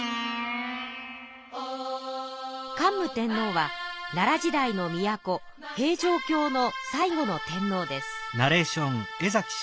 桓武天皇は奈良時代の都平城京の最後の天皇です。